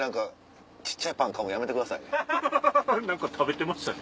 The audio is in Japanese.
何か食べてましたよね。